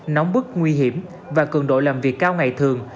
nóng bức nguy hiểm và cường độ làm việc cao ngày thường